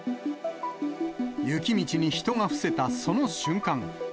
雪道に人が伏せたその瞬間。